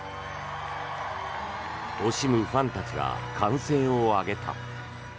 惜しむファンたちが歓声を上げた。